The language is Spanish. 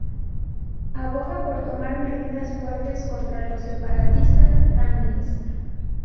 Aboga por tomar medidas fuertes contra los separatistas tamiles.